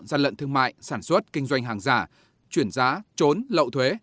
gian lận thương mại sản xuất kinh doanh hàng giả chuyển giá trốn lậu thuế